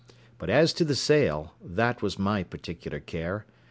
But as to the sail, that was my particular care.